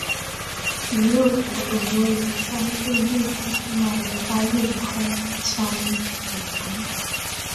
如右图耳蜗由三个内部充满淋巴液的空腔组成。